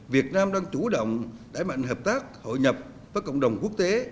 việt nam đang chủ động đẩy mạnh hợp tác hội nhập với cộng đồng quốc tế